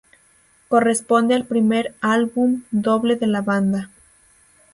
Corresponde al primer álbum doble de la banda.